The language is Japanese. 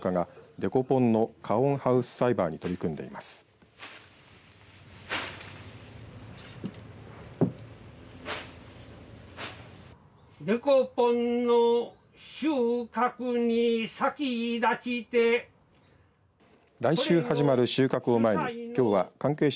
デコポンの収穫に先立ちて来週始まる収穫を前に、きょうは関係者